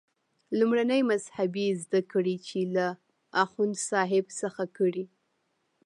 لومړنۍ مذهبي زده کړې یې له اخوندصاحب څخه کړي.